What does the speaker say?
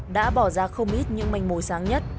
đã bỏ ra không ít những manh mối sáng nhất